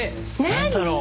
何だろう？